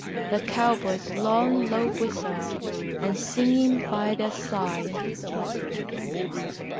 The cowboy's long, low whistle and singing by their side.